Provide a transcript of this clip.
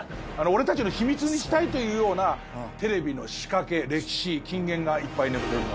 俺たちの秘密にしたいというようなテレビの仕掛け歴史金言がいっぱい眠っております。